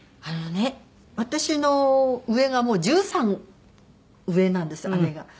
あのね私の上が１３上なんですよ姉が。